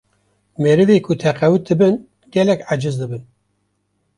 merivê ku teqewût dibin gelek eciz dibin